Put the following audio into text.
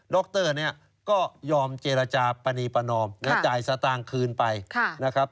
รเนี่ยก็ยอมเจรจาปณีประนอมและจ่ายสตางค์คืนไปนะครับ